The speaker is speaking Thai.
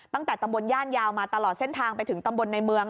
ตั้งแต่ตำบลย่านยาวมาตลอดเส้นทางไปถึงตำบลในเมือง